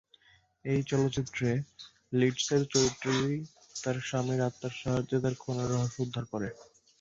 এই চলচ্চিত্রে লিডসের চরিত্রটি তার স্বামীর আত্মার সাহায্যে তার খুনের রহস্য উদ্ধার করে।